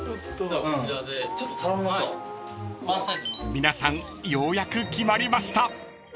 ［皆さんようやく決まりました］